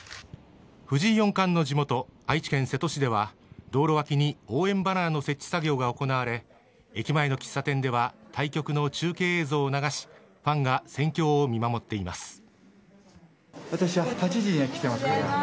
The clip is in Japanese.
藤井四冠の地元愛知県瀬戸市では道路脇に応援バナーの設置作業が行われ駅前の喫茶店では対局の中継映像を流しファンが戦況を見守っています。